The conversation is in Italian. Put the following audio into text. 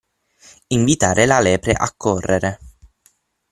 Invitare la lepre a correre.